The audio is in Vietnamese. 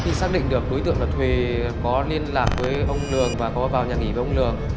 khi xác định được đối tượng thuê có liên lạc với ông lường và có vào nhà nghỉ với ông lường